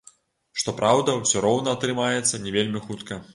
Што праўда, усё роўна атрымаецца не вельмі хутка.